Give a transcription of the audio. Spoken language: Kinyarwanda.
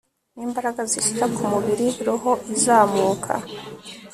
Nimbaraga zishira kumubiri roho izamuka